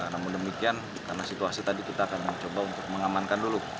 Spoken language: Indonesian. namun demikian karena situasi tadi kita akan mencoba untuk mengamankan dulu